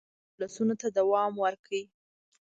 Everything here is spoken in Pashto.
مجلسونو ته دوام ورکړ.